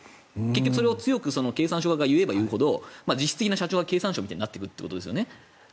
それを強く経産省側が言えば言うほど社長は経産省みたいになっていくということですよね。